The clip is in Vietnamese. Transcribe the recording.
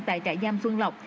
tại trại giam sơn lộc